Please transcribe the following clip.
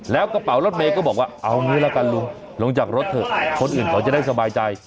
แล้วกระเป๋ารถเมย์ก็บอกว่าเอางี้ละกันลุงลงจากรถเถอะคนอื่นเขาจะได้สบายใจ